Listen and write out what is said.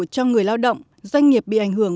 cho người lao động doanh nghiệp bị ảnh hưởng